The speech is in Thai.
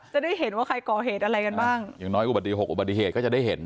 จะได้เห็นว่าใครก่อเหตุอะไรกันบ้างอย่างน้อยอุบัติหกอุบัติเหตุก็จะได้เห็น